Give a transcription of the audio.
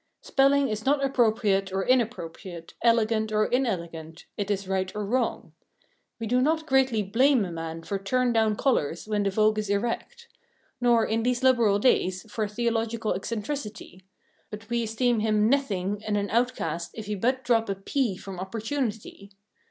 Spelling is not appropriate or inappropriate, elegant or inelegant; it is right or wrong. We do not greatly blame a man for turn down collars when the vogue is erect; nor, in these liberal days, for theological eccentricity; but we esteem him "Nithing" and an outcast if he but drop a "p" from opportunity.